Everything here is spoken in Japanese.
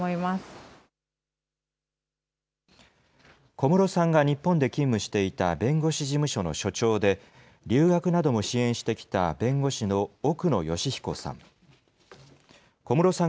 小室さんが日本で勤務していた弁護士事務所の所長で、留学なども支援してきた弁護士の奧野義彦さん。